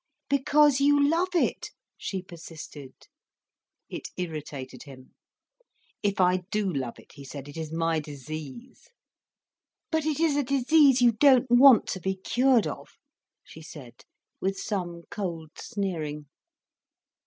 "Because you love it," she persisted. It irritated him. "If I do love it," he said, "it is my disease." "But it is a disease you don't want to be cured of," she said, with some cold sneering.